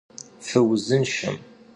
Fıuzınşşem!